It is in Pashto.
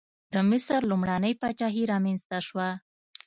د مصر لومړنۍ پاچاهي رامنځته شوه.